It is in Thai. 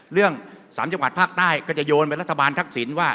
เรื่อง๓จังหวัดภาคใต้ก็จะโยนไปรัฐบาลทักษิณว่า